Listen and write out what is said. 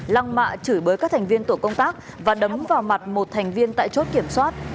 lăng mạ chửi bới các thành viên tổ công tác và đấm vào mặt một thành viên tại chốt kiểm soát